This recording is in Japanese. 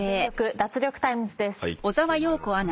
脱力タイムズ』です。